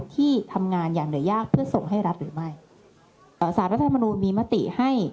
ที่ทำงานอย่างเหนือยากเพื่อส่งให้รัฐหรือไม่เอ่อสารรัฐธรรมนูลมีมติให้